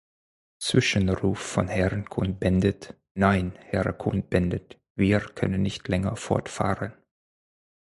Zwischenruf von Herrn Cohn-Bendit Nein, Herr Cohn-Bendit, wir können nicht länger fortfahren.